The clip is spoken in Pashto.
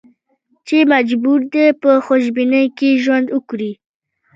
چې مجبور دي په خوشبینۍ کې ژوند وکړي.